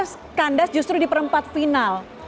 skandas justru di penempat final